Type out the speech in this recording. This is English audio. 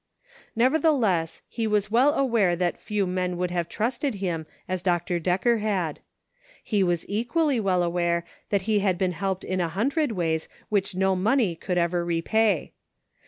Nevertheless, he was well aware that few men would have trusted him as Dr. Decker had. He was equally well aware that he had been helped in a hundred ways which no money would ever repay.